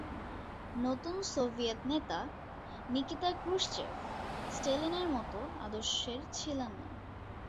নতুন সোভিয়েত নেতা, Nikita Khrushchev, স্ট্যালিনের মতো আদর্শের ছিলেন না।